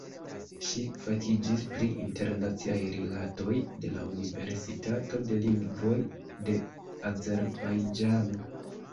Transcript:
Ŝi fakiĝis pri Internaciaj Rilatoj de la Universitato de Lingvoj de Azerbajĝano.